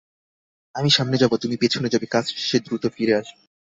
আমি সামনে যাবো, তুমি পেছনে যাবে, কাজ শেষে দ্রুত ফিরে আসবো।